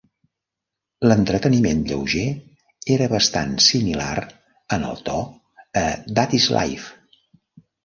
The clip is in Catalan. L"entreteniment lleuger era bastant similar en el to a That's Life!